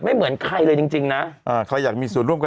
ไม่เหมือนใครเลยจริงนะคลอยากมีส่วนร่วมกับ